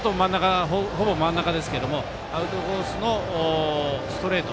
ほぼ真ん中ですけどもアウトコースのストレート。